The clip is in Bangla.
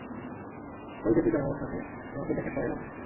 ঔই যে পিতামহর সাথে তোমাকে দেখা করাইলাম না?